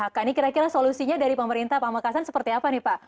nah ini kira kira solusinya dari pemerintah pamekasan seperti apa nih pak